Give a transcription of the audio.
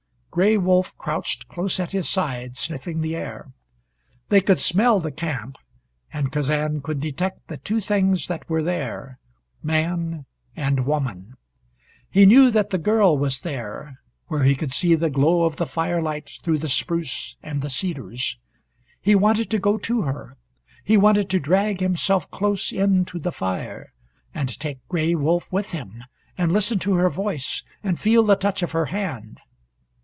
Gray Wolf crouched close at his side, sniffing the air. They could smell the camp, and Kazan could detect the two things that were there man and woman. He knew that the girl was there, where he could see the glow of the firelight through the spruce and the cedars. He wanted to go to her. He wanted to drag himself close in to the fire, and take Gray Wolf with him, and listen to her voice, and feel the touch of her hand.